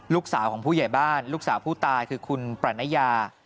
ลูกสาวของผู้ใหญ่บ้านลูกสาวผู้ตายคือคุณปรณญา